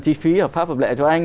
chi phí hợp pháp hợp lệ cho anh